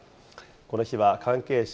この日は関係者